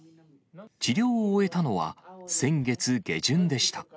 治療を終えたのは先月下旬でした。